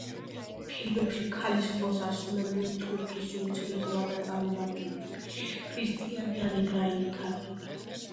ფილმებში, ქალის როლს ასრულებდნენ თურქეთის უმცირესობათა წარმომადგენლები, ქრისტიანი ან ებრაელი ქალები.